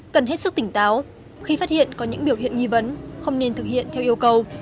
cần hết sức tỉnh táo khi phát hiện có những biểu hiện nghi vấn không nên thực hiện theo yêu cầu